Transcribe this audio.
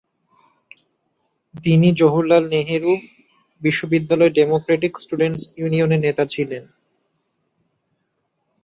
তিনি জওহরলাল নেহরু বিশ্ববিদ্যালয়ের democratic students ইউনিয়নের নেতা ছিলেন।